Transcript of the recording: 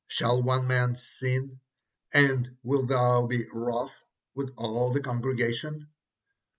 Shall one man sin, and wilt thou be wroth with all the congregation?'"